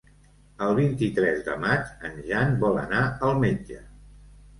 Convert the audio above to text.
El vint-i-tres de maig en Jan vol anar al metge.